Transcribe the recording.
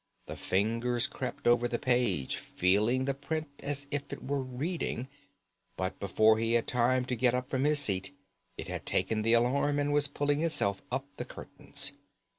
The fingers crept over the page, feeling the print as if it were reading; but before he had time to get up from his seat, it had taken the alarm and was pulling itself up the curtains.